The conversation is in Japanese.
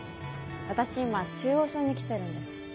私今中央小に来てるんです。